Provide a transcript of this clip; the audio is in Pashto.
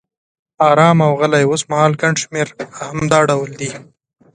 آرام او غلی، اوسمهال ګڼ شمېر هم دا ډول دي.